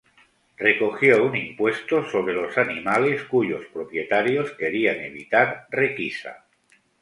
Recogió un impuesto sobre los animales cuyos propietarios querían evitar requisa.